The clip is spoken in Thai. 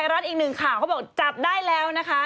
รัฐอีกหนึ่งข่าวเขาบอกจับได้แล้วนะคะ